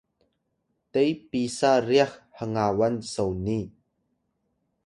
te pisa ryax hngawan soni?